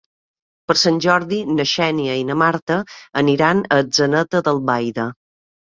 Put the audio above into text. Per Sant Jordi na Xènia i na Marta aniran a Atzeneta d'Albaida.